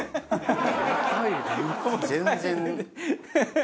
全然。